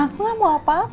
aku enggak mau apa apa